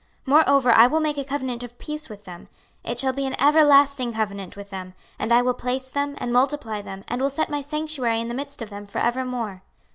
26:037:026 Moreover I will make a covenant of peace with them; it shall be an everlasting covenant with them: and I will place them, and multiply them, and will set my sanctuary in the midst of them for evermore.